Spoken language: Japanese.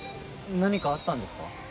何かあったんですか？